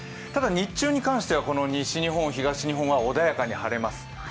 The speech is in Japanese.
ただ、日中に関しては西日本、東日本は穏やかに晴れます。